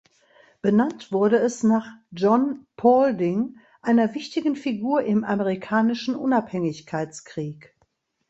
Benannt wurde es nach John Paulding, einer wichtigen Figur im Amerikanischen Unabhängigkeitskrieg.